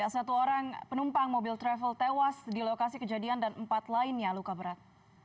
satu orang penumpang mobil travel tewas di lokasi kejadian dan empat lainnya luka berat